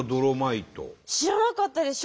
知らなかったです。